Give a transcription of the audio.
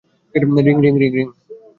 Ring, ring.